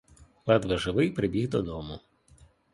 Ледве живий прибіг додому.